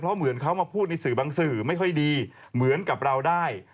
เพราะเหมือนเขามาพูดในสื่อบางสื่อไม่ค่อยดีเหมือนกับเราได้